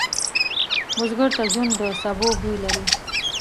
بزګر ته ژوند د سبو بوی لري